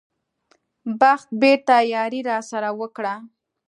بخت بېرته یاري راسره وکړه.